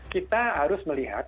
kita harus melihat